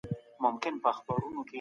پیغمبر فرمایلي چي د ذمي حق باید ادا سي.